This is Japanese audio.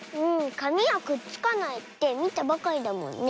かみはくっつかないってみたばかりだもんね。